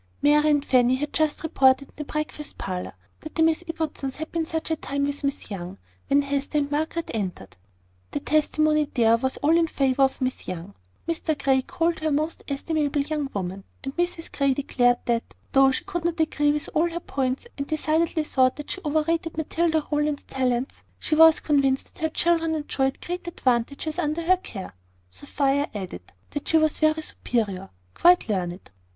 Mary and Fanny had just reported in the breakfast parlour, that the Miss Ibbotsons had been "such a time with Miss Young!" when Hester and Margaret entered. The testimony there was all in favour of Miss Young. Mr Grey called her a most estimable young woman; and Mrs Grey declared that, though she could not agree with her on all points, and decidedly thought that she overrated Matilda Rowland's talents, she was convinced that her children enjoyed great advantages under her care. Sophia added, that she was very superior, quite learned.